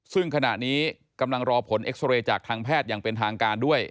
ซึ่งขณะนี้กำลังรอผลเอ็กซอเรย์จากทางแพทย์อย่างเป็นทางการด้วย